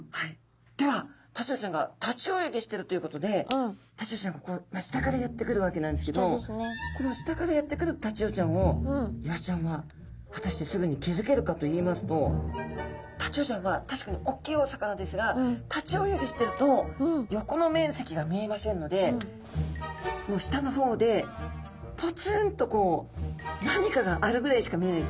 ではタチウオちゃんが立ち泳ぎしてるということでタチウオちゃん下からやって来るわけなんですけどこの下からやって来るタチウオちゃんをイワシちゃんは果たしてすぐに気付けるかといいますとタチウオちゃんは確かにおっきいお魚ですが立ち泳ぎしてると横の面積が見えませんのでもう下の方でぽつんとこう何かがあるぐらいしか見えないと思うんですね。